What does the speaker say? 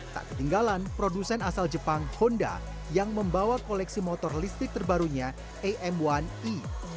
tak ketinggalan produsen asal jepang honda yang membawa koleksi motor listrik terbarunya am satu e